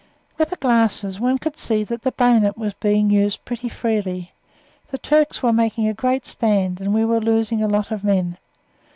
With the glasses one could see that the bayonet was being used pretty freely; the Turks were making a great stand, and we were losing a lot of men.